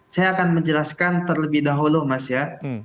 saya akan menjelaskan terlebih dahulu mas ya